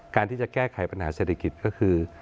การที่จะแก้ไขปัญหาเศรษฐกิจก็คือ